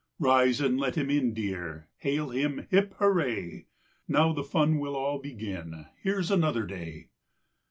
Rise and let him in, dear, Hail him "hip hurray!" Now the fun will all begin. Here's another day!